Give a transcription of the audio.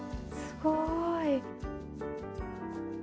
すごい。